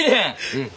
うん。